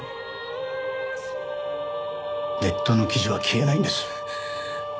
ネットの記事は消えないんです。